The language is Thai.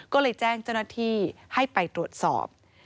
ก็เลยแจ้งเจ้าหน้าที่ให้ไปตรวจสอบ